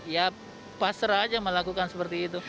ya pasrah aja melakukan seperti itu